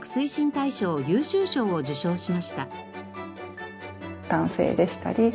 大賞優秀賞を受賞しました。